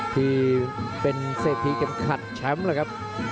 ที่เป็นเศรษฐีเข็มขัดแชมป์แล้วครับ